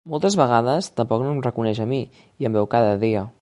Moltes vegades tampoc no em reconeix a mi i em veu cada dia.